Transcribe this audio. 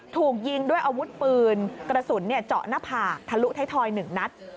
ถูกยิงด้วยอาวุธปืนกระสุนเจาะหน้าผากทะลุท้ายทอย๑นัด